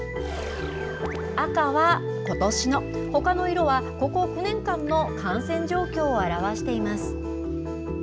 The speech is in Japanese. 赤はことしのほかの色はここ９年間の感染状況を表しています。